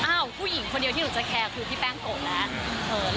ผู้หญิงคนเดียวที่หนูจะแคร์คือพี่แป้งโกรธแล้ว